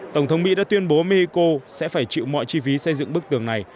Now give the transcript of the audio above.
tổng thống mỹ đã tuyên bố mexico sẽ phải chịu mọi chi phí xây dựng bức tường này